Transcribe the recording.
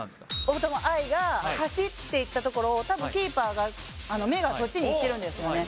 大友愛が走っていったところを多分キーパーが目がそっちにいってるんですね